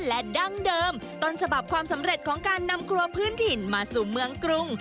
และดั้งเดิมต้นฉบับความสำเร็จของการนำครัวพื้นถิ่นมาสู่เมืองกรุง